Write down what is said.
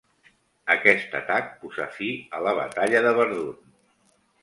Aquest atac posà fi a la batalla de Verdun.